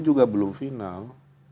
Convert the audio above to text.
juga belum final